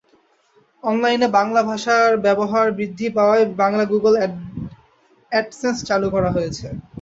অনলাইনে বাংলা ভাষার ব্যবহার বৃদ্ধি পাওয়ায় বাংলায় গুগল অ্যাডসেন্স চালু করা হয়েছে।